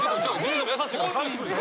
優しいから返してくれた。